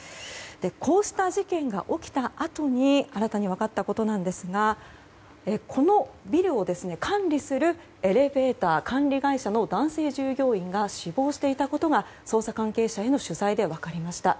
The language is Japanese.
こうした事件が起きたあとに新たに分かったことなんですがこのビルを管理するエレベーター管理会社の男性従業員が死亡していたことが捜査関係者への取材で分かりました。